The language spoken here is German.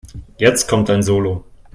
Jetzt kommt dein Solo.